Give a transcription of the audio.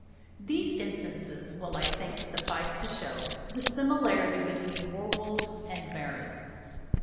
These instances will, I think, suffice to show the similarity between werwolves and maras.